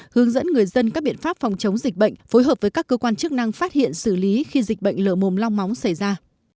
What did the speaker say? hướng dẫn người dân các biện pháp phòng chống dịch bệnh phối hợp với các cơ quan chức năng phát hiện xử lý khi dịch bệnh lở mồm long móng xảy ra